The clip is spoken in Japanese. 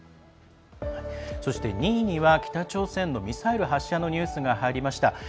２位には北朝鮮のミサイル発射のニュースが入りました。